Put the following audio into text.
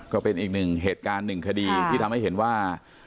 ก็เป็นอีกหนึ่งเหตุการณ์หนึ่งคดีที่ทำให้เห็นว่า